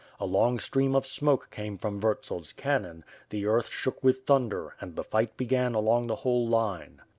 A long stream of smoke came from Vurtsel's cannon, the earth shook with thunder and the fight began along the whole line.